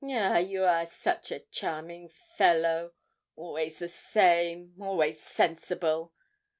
'Ah, you are such charming fellow; always the same always sensible.